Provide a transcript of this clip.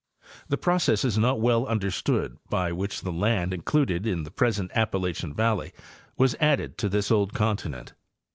The process is not well understood by which the land included in the present Appalachian valley was added to this old continent.